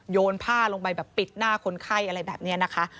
โยนผ้าลงไปแบบปิดหน้าคนไข้อะไรแบบนี้นะคะ